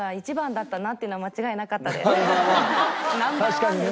確かにね。